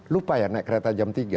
lupa ya naik kereta jam tiga